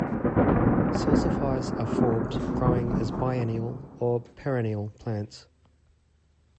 Salsifies are forbs growing as biennial or perennial plants.